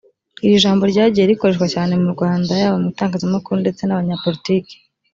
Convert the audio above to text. Iri ijambo ryagiye rikoreshwa cyane mu Rwanda yaba mu itangazamakuru ndetse n’abanyapolitike